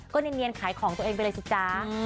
ก็เนียนขายของตัวเองไปเลยสิจ๊ะ